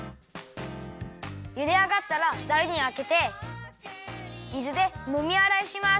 ゆであがったらざるにあけてみずでもみあらいします。